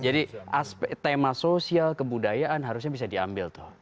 jadi tema sosial kebudayaan harusnya bisa diambil